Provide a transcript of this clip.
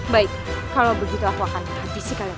baik kalau begitu aku akan menghabisi kalian